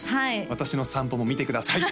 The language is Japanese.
私の散歩も見てください